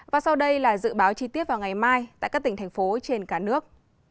và sau đây là dự báo chi tiết vào ngày mai tại các tỉnh thành phố trên cả nước